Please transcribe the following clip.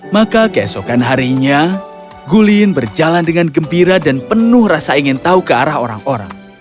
maka keesokan harinya gulin berjalan dengan gembira dan penuh rasa ingin tahu ke arah orang orang